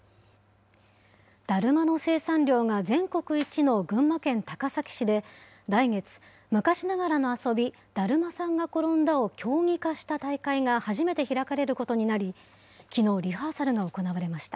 だるまの生産量が全国一の群馬県高崎市で来月、昔ながらの遊び、だるまさんがころんだを競技化した大会が初めて開かれることになり、きのう、リハーサルが行われました。